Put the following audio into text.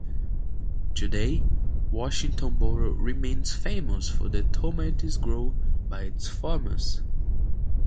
Today, Washington Boro remains famous for the tomatoes grown by its farmers.